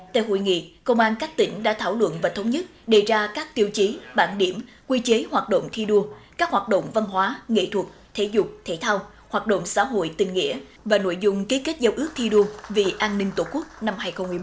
tại hội nghị công an các tỉnh đã thảo luận và thống nhất đề ra các tiêu chí bản điểm quy chế hoạt động thi đua các hoạt động văn hóa nghệ thuật thể dục thể thao hoạt động xã hội tình nghĩa và nội dung ký kết dấu ước thi đua vì an ninh tổ quốc năm hai nghìn một mươi bốn